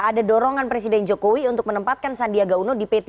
ada dorongan presiden jokowi untuk menempatkan sandiaga uno di p tiga